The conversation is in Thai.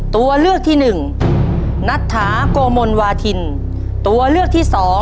ใครไม่ใช่ผู้ประกาศข่าวของช่องไทรัสทีวี